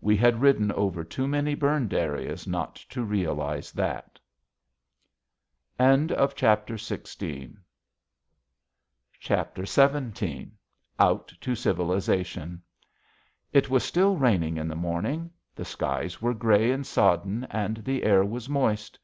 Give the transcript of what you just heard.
We had ridden over too many burned areas not to realize that. XVII OUT TO CIVILIZATION It was still raining in the morning. The skies were gray and sodden and the air was moist.